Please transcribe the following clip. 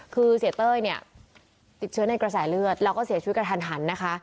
คือเสียเต้ยเนี่ยติดเชื้อในกระแสเลือดแล้วก็เสียชีวิตกระทันหันนะคะ